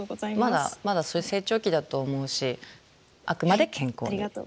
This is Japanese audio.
まだそういう成長期だと思うしあくまで健康でいて下さいね。